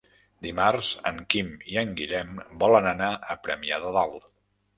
Dimarts en Quim i en Guillem volen anar a Premià de Dalt.